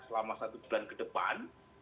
selama satu bulan ke depan